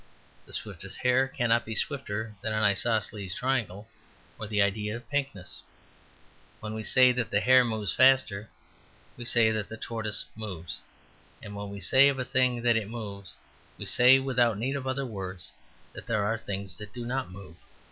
The swiftest hare cannot be swifter than an isosceles triangle or the idea of pinkness. When we say the hare moves faster, we say that the tortoise moves. And when we say of a thing that it moves, we say, without need of other words, that there are things that do not move.